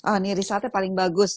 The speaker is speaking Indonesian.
oh ini risetnya paling bagus